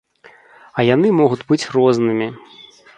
А яны могуць быць рознымі.